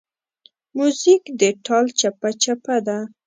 موزیک د ټال چپهچپه ده.